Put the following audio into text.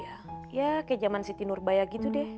ya kayak zaman siti nurbaya gitu deh